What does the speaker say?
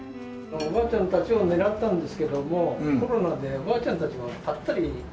おばあちゃんたちを狙ったんですけどもコロナでおばあちゃんたちがぱったりいらっしゃらなくなった。